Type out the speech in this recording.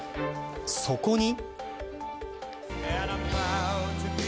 そこに。